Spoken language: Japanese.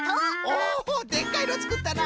おおでっかいのつくったな！